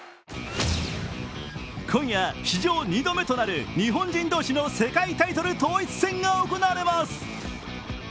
今夜、史上２度目となる日本人同士の世界タイトル統一戦が行われます。